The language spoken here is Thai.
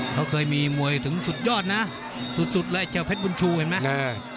เขาเคยมีมวยถึงสุดยอดนะสุดแล้วไอ้เจียวเพชรบุญชูเห็นมั้ย